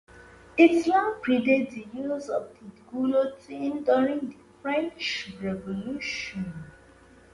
It long predates the use of the guillotine during the French Revolution.